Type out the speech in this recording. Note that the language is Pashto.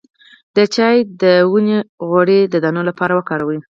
د چای د ونې غوړي د دانو لپاره وکاروئ